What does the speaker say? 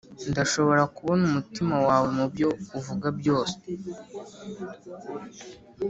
ndashobora kubona umutima wawe mubyo uvuga byose